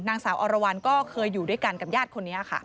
นางสาวอรวรรณก็เคยอยู่ด้วยกันกับญาติคนนี้ค่ะ